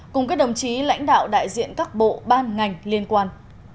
cùng các đồng chí lãnh đạo đại diện các bộ ban ngành liên quan